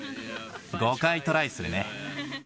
５回トライするね。